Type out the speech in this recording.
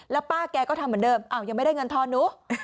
แล้วป้าแกก็ทำเหมือนเดิมยังไม่ได้เงินทอนหนู